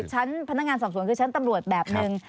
ชั้นพนักงานสอบสวนคือชั้นตำรวจแบบหนึ่ง